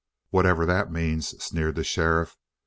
"Whatever that means," sneered the sheriff.